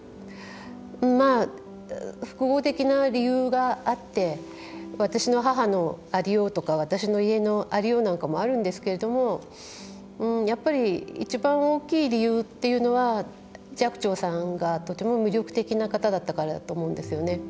複合的な理由があって私の母のありようとか私の家のありようなんかもあるんですけれどもやっぱりいちばん大きい理由というのは寂聴さんが、とても魅力的な方だったからだと思うんですよね。